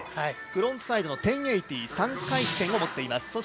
フロントサイドの１０８０３回転を持っています。